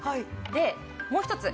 でもう１つ。